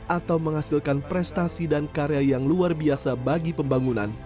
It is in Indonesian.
atau menghasilkan prestasi dan karya yang luar biasa bagi pembangunan